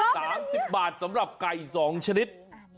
๓๐บาท๓๐บาทสำหรับไก่๒ชนิด